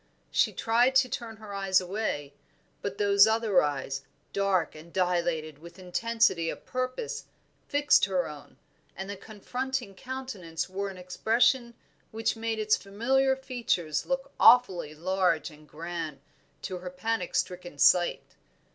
She tried to turn her eyes away, but those other eyes, dark and dilated with intensity of purpose, fixed her own, and the confronting countenance wore an expression which made its familiar features look awfully large and grand to her panic stricken sight.